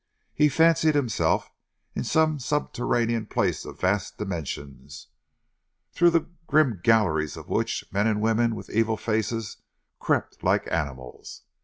He fancied himself in some subterranean place of vast dimensions, through the grim galleries of which men and women with evil faces crept like animals.